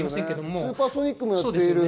スーパーソニックもやっています。